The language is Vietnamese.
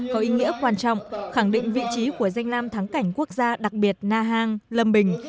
có ý nghĩa quan trọng khẳng định vị trí của danh lam thắng cảnh quốc gia đặc biệt na hàng lâm bình